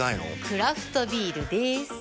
クラフトビールでーす。